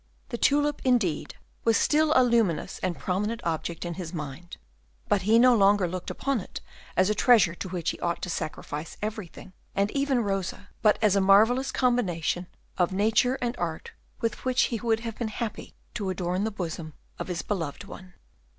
The tulip, indeed, was still a luminous and prominent object in his mind; but he no longer looked upon it as a treasure to which he ought to sacrifice everything, and even Rosa, but as a marvellous combination of nature and art with which he would have been happy to adorn the bosom of his beloved one.